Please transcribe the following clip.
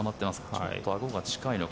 ちょっとあごが近いのか。